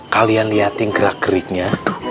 kalian liatin gerak geriknya